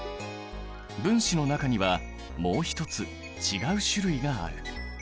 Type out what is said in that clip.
分子の中にはもう一つ違う種類がある。